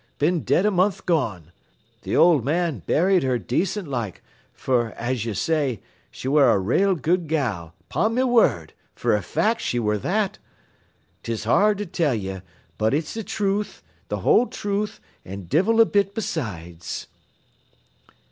Been dead a month gone. Th' old man buried her dacent like, fer, as ye say, she ware a rale good gal, 'pon me whurd, fer a fact, she ware that. 'Tis hard to tell ye, but it's th' truth, th' whole truth, an' divil a bit besides.'